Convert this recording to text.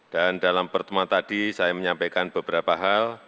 dan dalam pertemuan tadi saya menyampaikan beberapa hal